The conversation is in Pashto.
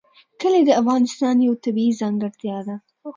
کلي د افغانستان یوه طبیعي ځانګړتیا ده.